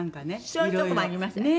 そういうとこもありましたか？